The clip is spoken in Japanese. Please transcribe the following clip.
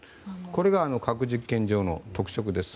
これが核実験場の特色です。